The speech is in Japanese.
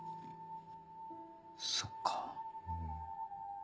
そっか。